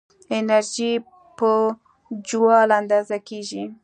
انرژي په جول اندازه کېږي.